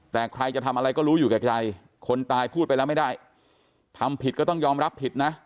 แต่ใครจะทำอะไรก็รู้อยู่แก่ใจคนตายพูดไปแล้วไม่ได้ทำผิดก็ต้องยอมรับผิดนะ